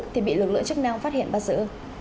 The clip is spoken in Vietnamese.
thì bị lực lượng chức năng phát hiện bắt giữ